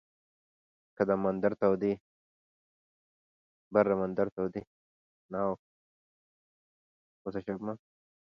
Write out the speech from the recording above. The prize is divided equally between author and publisher.